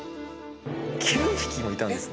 ９匹もいたんですね。